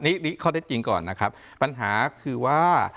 นี่ข้อได้จริงก่อนนะครับปัญหาคือว่า